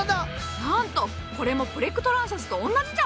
なんとこれもプレクトランサスと同じじゃ！